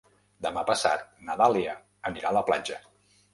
Demà passat na Dàlia anirà a la platja.